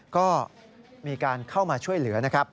ก็มีการเข้ามาช่วยเหลือ